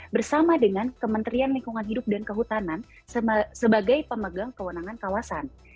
bersama dengan kementerian lingkungan hidup dan kehutanan sebagai pemegang kewenangan kawasan